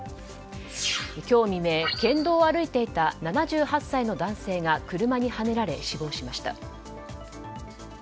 今日未明、県道を歩いていた７８歳の男性が車にはねられ死亡しました。